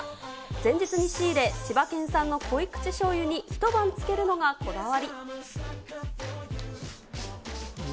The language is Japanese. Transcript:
前日に仕入れ、千葉県産の濃口醤油に一晩漬けるのがこだわり。